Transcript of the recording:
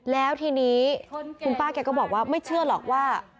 แล้วทีนี้คุณป้าแกก็บอกว่าไม่เชื่อหรอกว่า